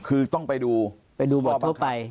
คือต้องไปดูไปดูบททั่วไป